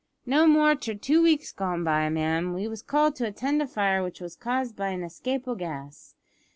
Not more nor two weeks gone by, ma'am, we was called to attend a fire which was caused by an escape o' gas.